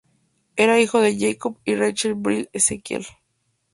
Era hijo de Jacob y Rachel Brill Ezekiel.